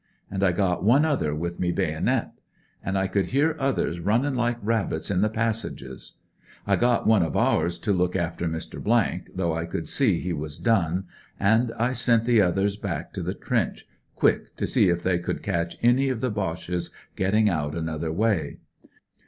An* I got one other with me baynit. An' I could hear others runnin' like rabbits in the passages. I got one < i our= to look after Mr, , though I ct>uld see he ^as done, and I sent the others bacK t the trench quick to see if they could catch any of the Boches gettinji out another way.